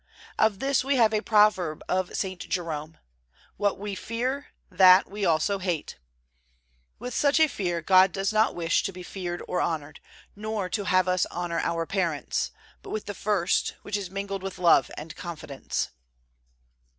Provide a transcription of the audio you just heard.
Of this we have a proverb of St. Jerome: What we fear, that we also hate. With such a fear God does not wish to be feared or honored, nor to have us honor our parents; but with the first, which is mingled with love and confidence.